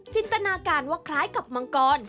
จินตนาการว่าคล้ายกับมังกร